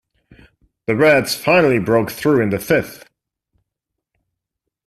The Reds finally broke through in the fifth.